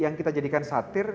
yang kita jadikan satir